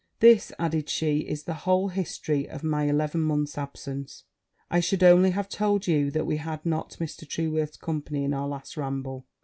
'This,' added she, 'is the whole history of my eleven month's absence. I should also have told you that we had not Mr. Trueworth's company in our last ramble.